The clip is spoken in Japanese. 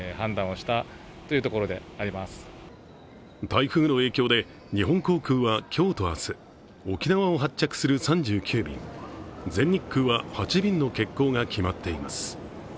台風の影響で日本航空は今日と明日、沖縄を発着する３９便、全日空は８便の欠航が決まっています。